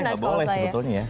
eh saya nggak boleh sebetulnya ya